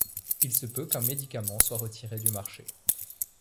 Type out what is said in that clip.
Il se peut qu'un médicament soit retiré du marché.